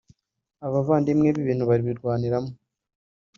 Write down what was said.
abavandimwe be ibintu babirwaniramo.